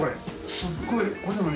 すっごい。